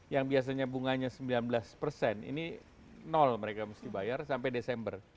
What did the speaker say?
yang biasanya bunganya sembilan belas persen ini nol mereka mesti bayar sampai desember